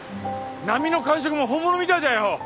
波の感触も本物みたいだよ。